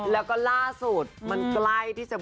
และก็ล่าสุดมันไกลที่จะมา